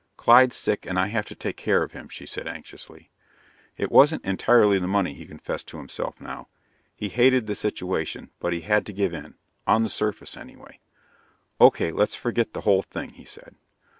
"Clyde's sick and I have to take care of him," she said anxiously. It wasn't entirely the money, he confessed to himself now. He hated the situation, but he had to give in on the surface anyway. "Okay, let's forget the whole thing," he said.